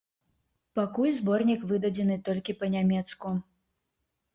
Пакуль зборнік выдадзены толькі па-нямецку.